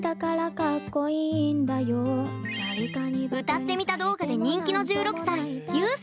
歌ってみた動画で人気の１６歳ゆう。